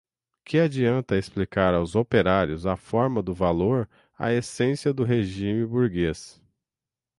que adianta explicar aos operários a forma do valor, a essência do regime burguês